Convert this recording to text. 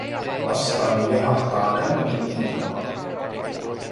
Vastaani lehahtaa lämmin ilma.